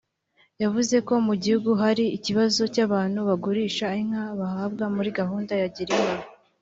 yavuze ko mu gihugu hari ikibazo cy’abantu bagurisha inka bahabwa muri gahunda ya Girinka